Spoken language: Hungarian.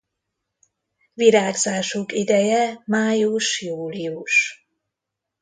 Virágzásuk ideje május-július.